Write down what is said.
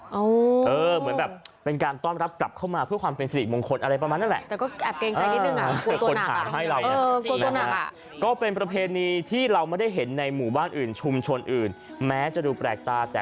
เหมือนแบบเป็นการต้อนรับกลับเข้ามาเพื่อความเป็นสิริมงคลอะไรประมาณนั้นแหละ